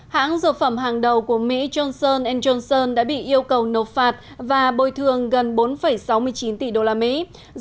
hãng dầu phẩm hàng đầu của mỹ johnson johnson đã bị yêu cầu nộp phạt và bồi thường gần bốn sáu triệu đồng